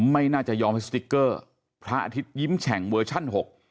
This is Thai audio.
ไม่น่าจะยอมให้สติ๊กเกอร์พระอาทิตยิ้มแฉ่งเวอร์ชันหก